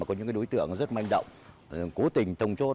có những đối tượng rất manh động cố tình thông chốt